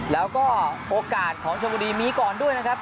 แล้วก็โอกาสของชมบุรีมีก่อนด้วยนะครับ